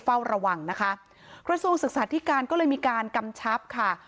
เฝ้าระวังนะคะกระทรวงศึกษาธิการก็เลยมีการกำชับค่ะ